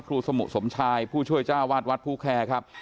สมุสมชายผู้ช่วยจ้าวาดวัดผู้แคร์ครับ